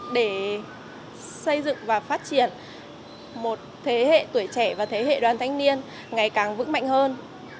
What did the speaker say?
để xây dựng và phát triển một thế hệ tuổi trẻ và thế hệ đoàn thanh niên ngày càng vững mạnh hơn